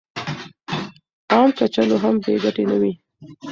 عام کچالو هم بې ګټې نه دي.